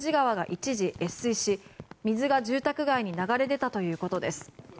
一時越水し水が住宅街に流れ出たということです。